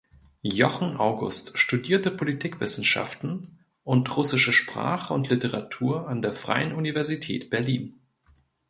Jochen August studierte Politikwissenschaften und russische Sprache und Literatur an der Freien Universität Berlin.